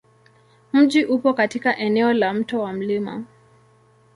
Mji upo katika eneo la Mto wa Mt.